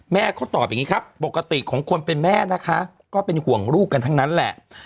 แม่เขาตอบอย่างนี้ครับปกติของคนเป็นแม่นะคะก็เป็นห่วงลูกกันทั้งนั้นแหละ